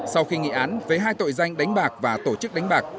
sau khi nghị án với hai tội danh đánh bạc và tổ chức đánh bạc